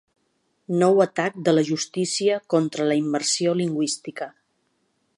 Nou atac de la justícia contra la immersió lingüística.